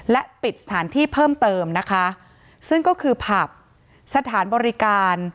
และปิดสถานที่เพิ่มเติมนะคะซึ่งก็คือผับสถานบริการ